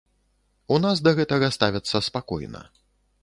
У нас да гэтага ставяцца спакойна.